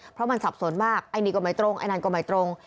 เพราะมันสับสนมากไอ้นี่ก็ไม่ตรงไอ้นั่นก็ไม่ตรง